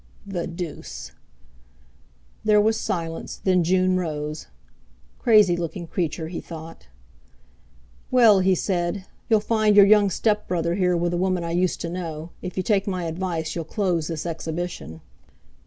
"The deuce!" There was silence, then June rose. 'Crazylooking creature!' he thought. "Well," he said, "you'll find your young stepbrother here with a woman I used to know. If you take my advice, you'll close this exhibition."